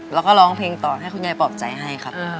แล้วก็ร้องเพลงต่อให้คุณยายปลอบใจให้ครับ